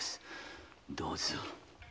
どうぞ。